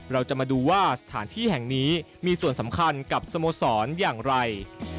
เราจะมาดูว่าสถานที่แห่งนี้มีส่วนสำคัญกับสโมสรอย่างไร